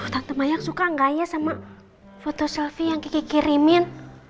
tante mayang suka gak ya sama foto selfie yang kiki kirimin